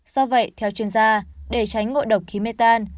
do vậy theo chuyên gia để tránh ngộ độc khí mê tan